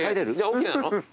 ＯＫなの？